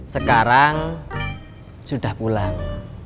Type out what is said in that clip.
sekarang sudah pulang